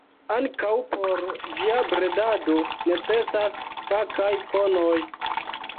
Ankaŭ por ĝia bredado necesas fakaj konoj.